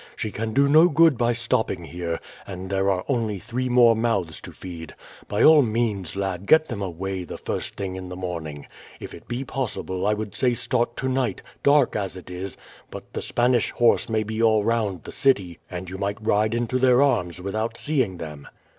She can do no good by stopping here; and there are only three more mouths to feed. By all means, lad, get them away the first thing in the morning. If it be possible I would say start tonight, dark as it is; but the Spanish horse may be all round the city, and you might ride into their arms without seeing them."